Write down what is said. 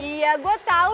iya gue tau